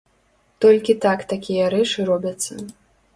Толькі так такія рэчы робяцца.